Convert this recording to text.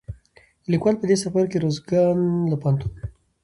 ليکوال په دې سفر کې روزګان له پوهنتون،